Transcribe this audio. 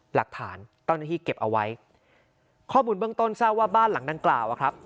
หลักฐานเจ้าหน้าที่เก็บเอาไว้ข้อมูลเบื้องต้นทราบว่าบ้านหลังดังกล่าวอะครับ